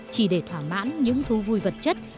chỉ để thỏa mãn những thú vui vật chất